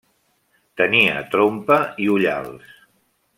Tenia trompa i ullals.